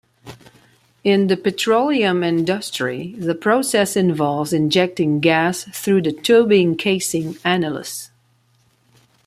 In the petroleum industry, the process involves injecting gas through the tubing-casing annulus.